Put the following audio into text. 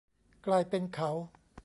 กลายเป็นเขา